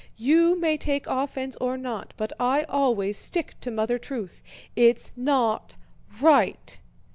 You may take offense or not but I always stick to mother truth. It's not right!"